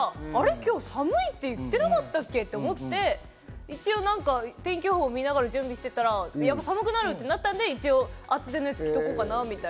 今日寒いって言ってなかったっけ？と思って、一応天気予報見ながら準備してたら寒くなるってなったんで、一応厚手のやつ着ておこうかなと思って。